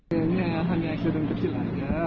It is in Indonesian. ini hanya aksesor yang kecil saja